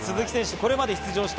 これまで出場した